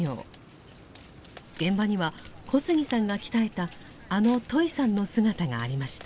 現場には小杉さんが鍛えたあのトイさんの姿がありました。